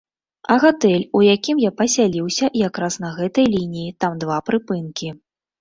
А гатэль, у якім я пасяліўся, як раз на гэтай лініі, там два прыпынкі.